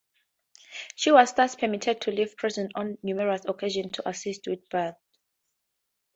She was thus permitted to leave prison on numerous occasions to assist with births.